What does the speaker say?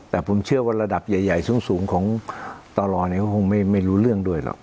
แต่ผมเชื่อว่าระดับใหญ่สูงของตลก็คงไม่รู้เรื่องด้วยหรอก